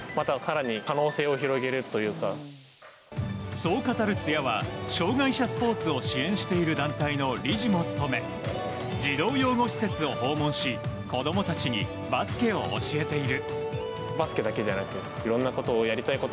そう語る津屋は障害者スポーツを支援している団体の理事も務め児童養護施設を訪問し子供たちにバスケを教えている。